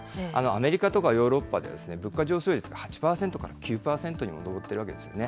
アメリカとかヨーロッパでは、物価上昇率が８％から９％にも上っているわけですよね。